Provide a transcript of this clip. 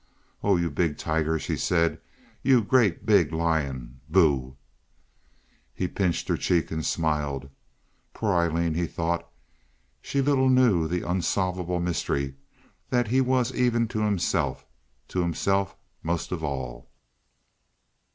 "Oh, you big tiger!" she said. "You great, big lion! Boo!" He pinched her cheek and smiled. "Poor Aileen!" he thought. She little knew the unsolvable mystery that he was even to himself—to himself most of all.